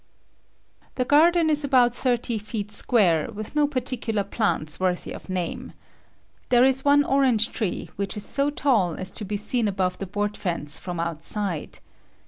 The garden is about thirty feet square, with no particular plants worthy of name. There is one orange tree which is so tall as to be seen above the board fence from outside.